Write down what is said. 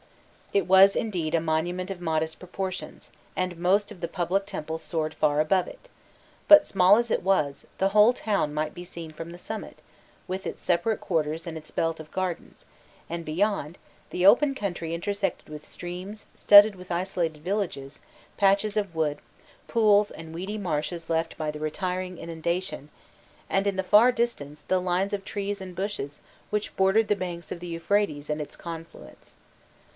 It was, indeed, a monument of modest proportions, and most of the public temples soared far above it; but, small as it was, the whole town might be seen from the summit, with its separate quarters and its belt of gardens; and beyond, the open country intersected with streams, studded with isolated villages, patches of wood, pools and weedy marshes left by the retiring inundation, and in the far distance the lines of trees and bushes which bordered the banks of the Euphrates and its confluents.